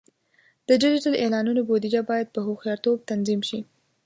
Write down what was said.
د ډیجیټل اعلانونو بودیجه باید په هوښیارتوب تنظیم شي.